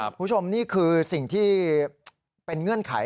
คุณผู้ชมนี่คือสิ่งที่เป็นเงื่อนไข